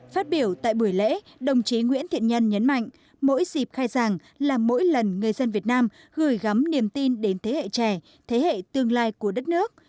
phát biểu tại buổi lễ đồng chí nguyễn thiện nhân nhấn mạnh mỗi dịp khai giảng là mỗi lần người dân việt nam gửi gắm niềm tin đến thế hệ trẻ thế hệ tương lai của đất nước